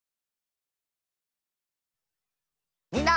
みんな。